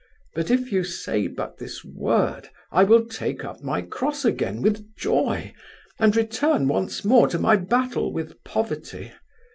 But if you say but this word, I will take up my cross again with joy, and return once more to my battle with poverty.